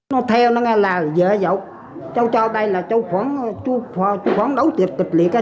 nó theo nó nghe là dễ dàng cháu cho đây là cháu khoảng đấu tiệc kịch liệt